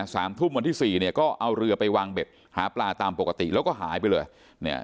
สามทุ่มวันที่สี่เนี่ยก็เอาเรือไปวางเบ็ดหาปลาตามปกติแล้วก็หายไปเลยเนี่ย